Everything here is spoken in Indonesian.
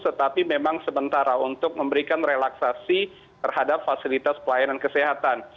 tetapi memang sementara untuk memberikan relaksasi terhadap fasilitas pelayanan kesehatan